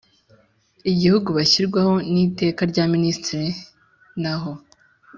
Igihugu Bashyirwaho N Iteka Rya Ministiri Naho